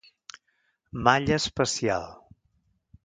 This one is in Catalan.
Malla espacial.